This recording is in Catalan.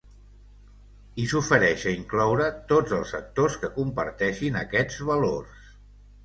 I s’ofereix a incloure “tots els actors que comparteixin aquests valors”.